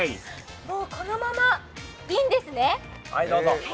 もうこのまま、いいんですね